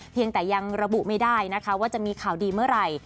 ยังแต่ยังระบุไม่ได้นะคะว่าจะมีข่าวดีเมื่อไหร่